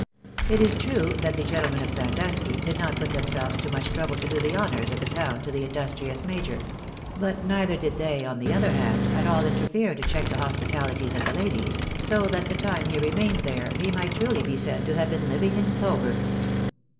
It is true that the gentlemen of Sandusky, did not put themselves to much trouble to do the honours of the town to the industrious major ; but neither did they, on the other hand, at all interfere to check the hospitalities of the ladies, so that the time he remained there he might truly be said to have been Hving in clover.